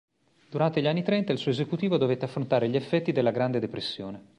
Durante gli anni trenta, il suo esecutivo dovette affrontare gli effetti della Grande depressione.